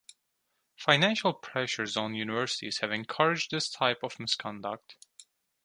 Financial pressures on universities have encouraged this type of misconduct.